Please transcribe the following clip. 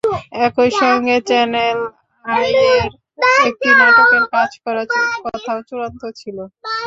একই সঙ্গে চ্যানেল আইয়ের একটি নাটকের কাজ করার কথাও চূড়ান্ত ছিল।